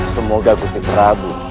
semoga gusti prabu